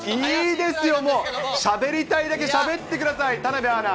いいですよ、もう、しゃべりたいだけしゃべってください、田辺アナ。